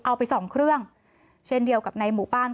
เอาไปสองเครื่องเช่นเดียวกับในหมู่บ้าน